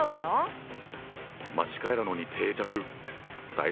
間違いなのに定着。